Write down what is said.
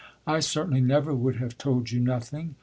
I certainly never would have told you nothing."